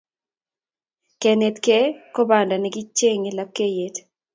Kenetkei ko panda ne kichenge lapkeiyet